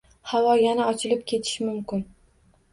Havo yana ochilib ketishi mumkin